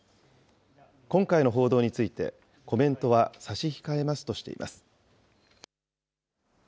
今回の報道について、コメントは差し控えますとしています。